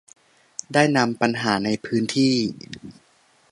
ได้นำปัญหาในพื้นที่